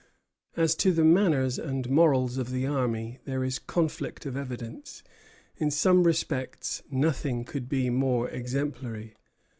As to the manners and morals of the army there is conflict of evidence. In some respects nothing could be more exemplary.